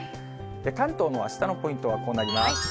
関東のあしたのポイントはこうなります。